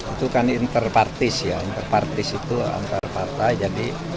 itu kan interpartis ya interpartis itu antar partai jadi